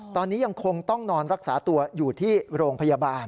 ตอนนี้ยังคงต้องนอนรักษาตัวอยู่ที่โรงพยาบาล